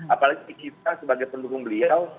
apalagi kita sebagai pendukung beliau